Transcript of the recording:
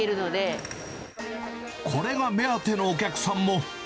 これが目当てのお客さんも。